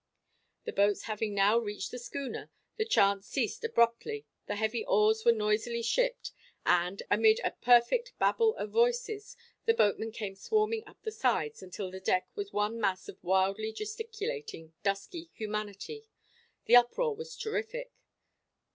The boats having now reached the schooner, the chant ceased abruptly, the heavy oars were noisily shipped, and, amid a perfect Babel of voices, the boatmen came swarming up the sides, until the deck was one mass of wildly gesticulating, dusky humanity. The uproar was terrific.